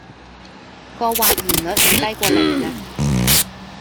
個或然率仲低過零呀.